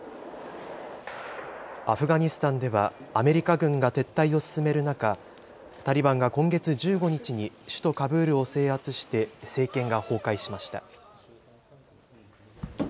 アフガニスタンではアメリカ軍が撤退を進める中、タリバンが今月１５日に首都カブールを制圧して政権が崩壊しました。